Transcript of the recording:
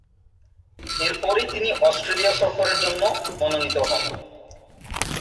এরপরই তিনি অস্ট্রেলিয়া সফরের জন্য মনোনীত হন।